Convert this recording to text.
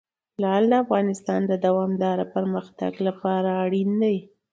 لعل د افغانستان د دوامداره پرمختګ لپاره اړین دي.